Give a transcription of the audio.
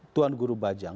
tuan guru bajang